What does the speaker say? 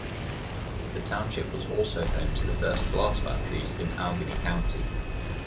The township was also home to the first glass factories in Allegheny County.